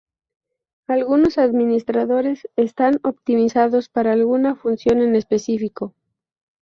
Algunos administradores están optimizados para alguna función en específico.